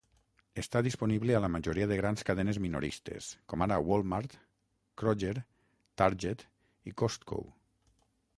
Està disponible a la majoria de grans cadenes minoristes, com ara Walmart, Kroger, Target i Costco.